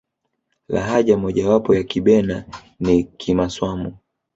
lahaja moja wapo ya kibena ni kimaswamu